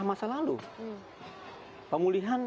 masa lalu pemulihan